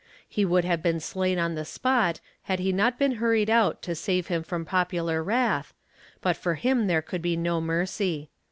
He would have been slain on the spot had he not been hurried out to save him from popular wrath, but for him there could be no mercy.